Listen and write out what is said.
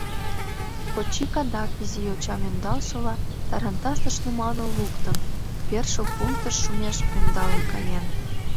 Кочик адак, изи йочам ӧндалшыла, тарантасыш нумалын луктын, першыл пунктыш шумеш ӧндалын каен.